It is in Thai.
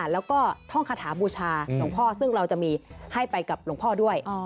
แล้วก็ท่องคาถาบูชาหลวงพ่อซึ่งเราจะมีให้ไปกับหลวงพ่อด้วย